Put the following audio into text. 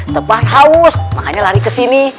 tepat haus makanya lari kesini